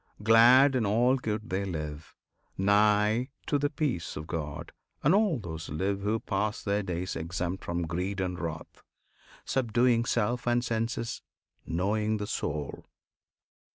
Glad in all good they live, Nigh to the peace of God; and all those live Who pass their days exempt from greed and wrath, Subduing self and senses, knowing the Soul!